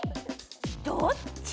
どっち？